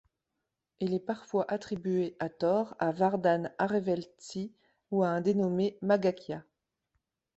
Il est parfois attribué, à tort, à Vardan Areveltsi ou à un dénommé Maghakia.